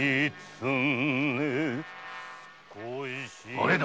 あれだ。